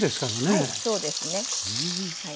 はいそうですね。